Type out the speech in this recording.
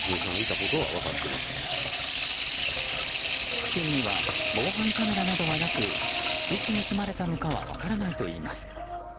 付近には防犯カメラなどはなくいつ盗まれたのかは分からないといいます。